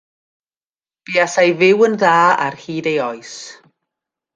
Buasai fyw yn dda ar hyd ei oes.